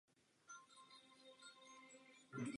Císař musel následně přistoupit ke zvláštním opatřením.